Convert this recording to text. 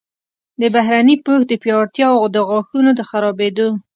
د بهرني پوښ د پیاوړتیا او د غاښونو د خرابیدو